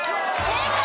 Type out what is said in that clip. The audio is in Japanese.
正解！